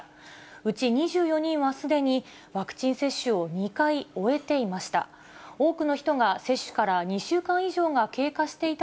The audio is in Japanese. うち２４人はすでにワクチン接種を２回終えていました。